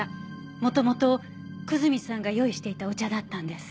元々久住さんが用意していたお茶だったんです。